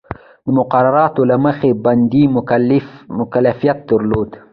د مقرراتو له مخې بندي مکلفیت درلود.